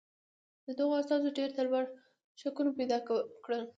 د دغو استازو ډېر تلوار شکونه پیدا کړل.